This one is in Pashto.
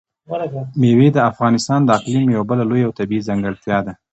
مېوې د افغانستان د اقلیم یوه بله لویه او طبیعي ځانګړتیا ده.